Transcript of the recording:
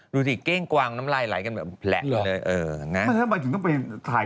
ดูสิเก้งกวางน้ำลายไหลกันแบบแหละเลยเออน่ะถ้าไม่ถึงต้องไปถ่าย